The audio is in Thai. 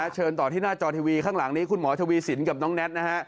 เชิญต่อที่หน้าจอทีวีข้างหลังนี้คุณหมอทวีสินกับน้องแน็ตนะฮะ